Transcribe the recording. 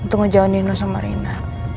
untuk ngejauh nino sama rina